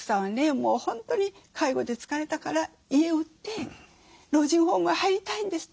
もう本当に介護で疲れたから家を売って老人ホームへ入りたいんですと。